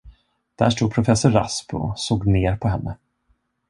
Där stod professor Rasp och såg ner på henne.